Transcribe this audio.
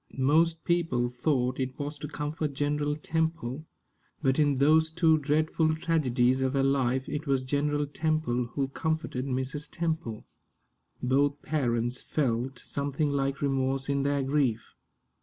Most people thought it was to comfort General Temple, but in those two dreadful tragedies of her life it was General Temple who comforted Mrs. Temple. Both parents felt something like remorse in their grief.